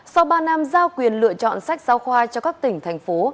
sau ba năm giao quyền lựa chọn sách giao khoai cho các tỉnh thành phố